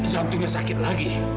jantungnya sakit lagi